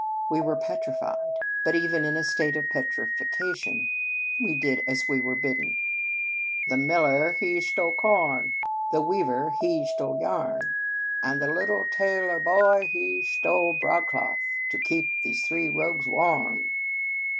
We were petrified; but, even in a state of petrification, we did as we were bidden. " The miller, he stole corn, The weaver, he stole yarn, 122 Un Conge sans Cloche And the little tailor boy, he stole broad cloth, *!To keep these three rogues warm."